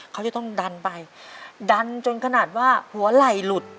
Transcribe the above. เขาจะต้องดันไปดันจนขนาดว่าหัวไหล่หลุด